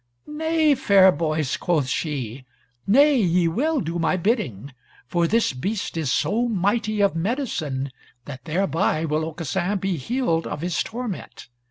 "Nay, fair boys," quoth she, "nay, ye will do my bidding. For this beast is so mighty of medicine that thereby will Aucassin be healed of his torment.